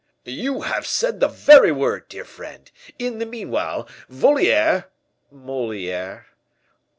"You have said the very word, dear friend. In the meanwhile, Voliere " "Moliere."